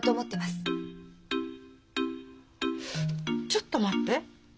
ちょっと待って。